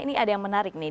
ini ada yang menarik nih